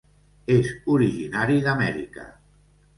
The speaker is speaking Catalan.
És originari d'Amèrica.